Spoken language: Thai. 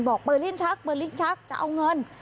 บอกเปิดลิ้นชักจะเอาเงิน